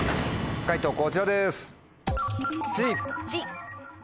解答こちらです。